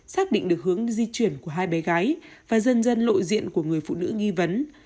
xác định được hướng di chuyển của hai bé gái và dần dần lộ diện của người phụ nữ nghi vấn